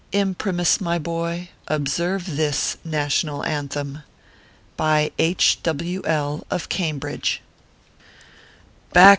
Imprimis, my boy, observe this NATIONAL ANTHEM. BY II. W. L , OF CAMBRIDGE.